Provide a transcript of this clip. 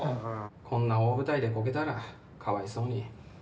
こんな大舞台でコケたらかわいそうに。